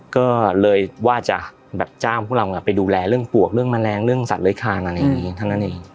ก็เลยว่าจะแบบจ้าพวกเราอ่ะไปดูแลเรื่องปวกเรื่องมะแรงเรื่องสัตว์เล้ยคานั่นอย่างนี้อืม